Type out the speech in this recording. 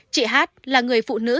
chị h là người phụ nữ